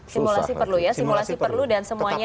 simulasi perlu ya simulasi perlu dan semuanya